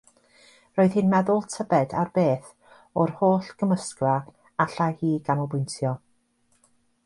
Roedd hi'n meddwl tybed ar beth, o'r holl gymysgfa, allai hi ganolbwyntio.